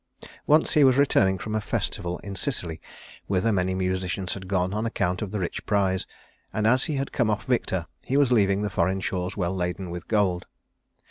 Once he was returning from a festival in Sicily whither many musicians had gone on account of the rich prize; and as he had come off victor, he was leaving the foreign shores well laden with gold.